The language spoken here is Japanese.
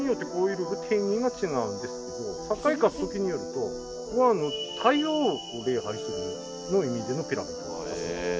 酒井勝軍によるとここは太陽を礼拝するの意味でのピラミッドだそうです。